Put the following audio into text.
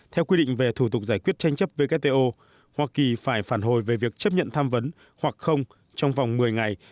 theo quy định về thủ tục giải quyết tranh chấp wto hoa kỳ phải phản hồi về việc chấp nhận tham vấn hoặc không trong vòng một mươi ngày